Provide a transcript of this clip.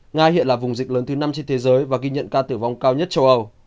nga hiện là vùng dịch lớn thứ năm trên thế giới và ghi nhận ca tử vong cao nhất châu âu